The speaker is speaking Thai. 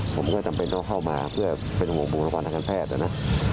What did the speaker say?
ผมก็จำเป็นต้องเข้ามาเพื่อเป็นห่วงบุคลากรทางการแพทย์นะ